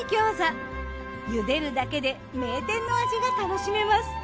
茹でるだけで名店の味が楽しめます。